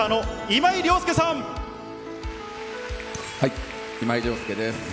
今井了介です。